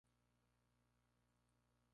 En un estudio reciente de "Claes et al".